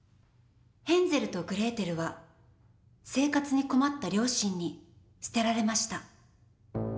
ヘンゼルとグレーテルは生活に困った両親に捨てられました。